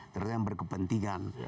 terus yang berkepentingan